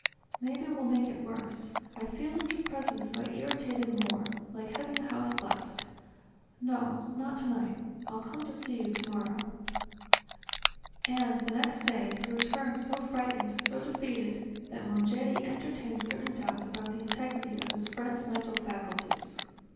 "Maybe we'll make it worse: I fear that your presence might irritate him more, like having the house blessed. No, not tonight. I'll come to see you tomorrow ..." And, the next day, he returned so frightened, so defeated than Mongeri entertained certain doubts about the integrity of his friend's mental faculties.